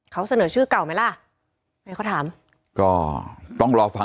เขาเสนอชื่อเก่าไหมล่ะ